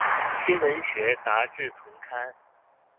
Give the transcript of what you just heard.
新文學雜誌叢刊